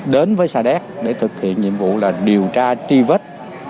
đến với sa đéc để thực hiện nhiệm vụ là điều tra truy vết